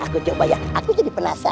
aku coba ya aku jadi penasaran